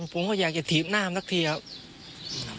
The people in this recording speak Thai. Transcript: ผมก็อยากจะถีบหน้ามันสักทีครับ